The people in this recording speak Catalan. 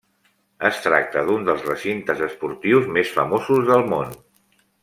Es tracta d'un dels recintes esportius més famosos del món.